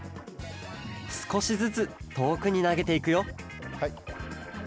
すこしずつとおくになげていくよはい。